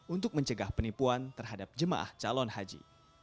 untuk mencegah penipuan terhadap jemaah calon haji